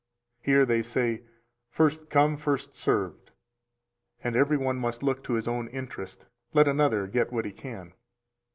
Here they say: First come, first served, and every one must look to his own interest, let another get what he can.